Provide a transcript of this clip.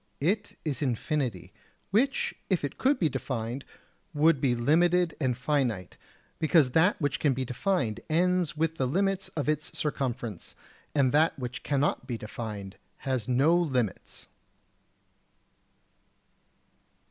It is infinity, which if it could be defined would be limited and finite, because that which can be defined ends with the limits of its circumference, and that which cannot be defined has no limits.